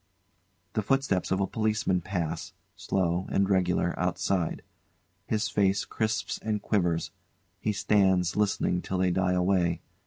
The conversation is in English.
] [The footsteps of a Policeman pass, slow and regular, outside. His face crisps and quivers; he stands listening till they die away.